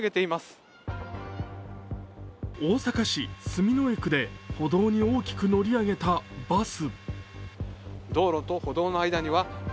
大阪市住之江区で歩道に大きく乗り上げたバス。